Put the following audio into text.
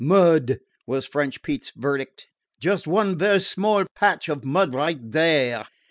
"Mud," was French Pete's verdict. "Just one vaire small patch of mud right there.